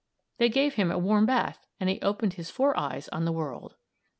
They gave him a warm bath and he opened his four eyes on the world!